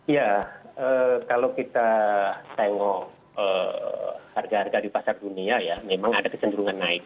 ya kalau kita tengok harga harga di pasar dunia ya memang ada kecenderungan naik